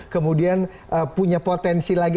kemudian punya potensi lagi